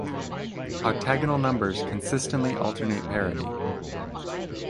Octagonal numbers consistently alternate parity.